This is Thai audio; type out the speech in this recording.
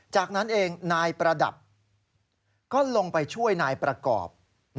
จากนั้นเองนายประดับก็ลงไปช่วยนายประกอบ